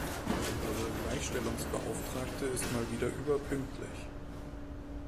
Unsere Gleichstellungsbeauftragte ist mal wieder überpünktlich.